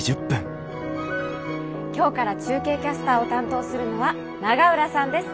今日から中継キャスターを担当するのは永浦さんです。